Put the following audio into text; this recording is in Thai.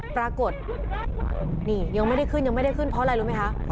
ปรากฏนี่ยังไม่ได้ขึ้นเพราะอะไรรู้มั้ยคะ